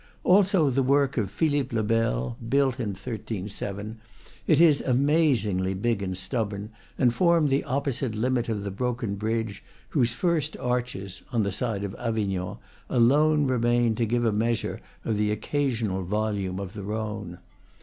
Also the work of Philippe le Bel (built in 1307), it is amazingly big and stubborn, and formed the opposite limit of the broken bridge, whose first arches (on the side of Avignon) alone remain to give a measure of the oc casional volume of the Rhone.